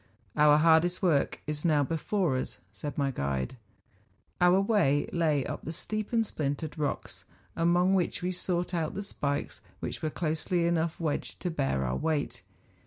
' Our hardest work is now before us,' said my guide. Our way lay up the steep and splintered rocks, among which we sought out the spikes which were closely enough wedged to bear our weight.